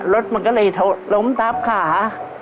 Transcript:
รถมันก็เลยล้มทับขา